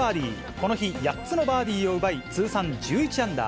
この日、８つのバーディーを奪い、通算１１アンダー。